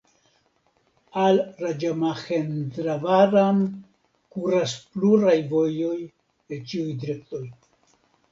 Al Raĝamahendravaram kuras pluraj vojoj el ĉiuj direktoj.